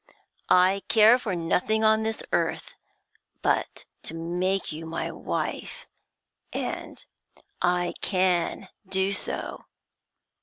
I care for nothing on this earth but to make you my wife and I can do so.'